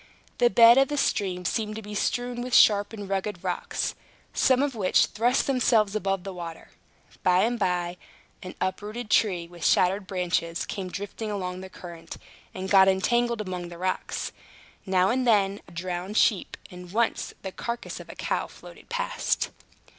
The bed of the stream seemed to be strewn with sharp and rugged rocks, some of which thrust themselves above the water. By and by, an uprooted tree, with shattered branches, came drifting along the current, and got entangled among the rocks. Now and then, a drowned sheep, and once the carcass of a cow, floated past.